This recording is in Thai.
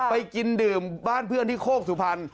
ไปกินดื่มบ้านเพื่อนที่โคกสุพรรณ